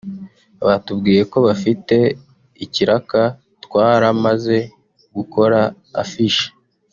Batubwiye ko bafite ikiraka twaramaze gukora affiche